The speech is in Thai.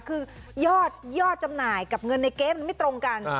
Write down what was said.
คือยอดจำหน่ายกับเงินในเก๊มันไม่ตรงกัน